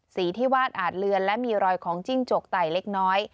ที่วาดอาจเลือนและมีรอยของจิ้งจกไต่เล็กน้อย